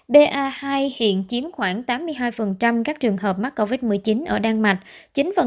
ba hai hiện chiếm khoảng tám mươi hai các trường hợp mắc covid một mươi chín ở đan mạch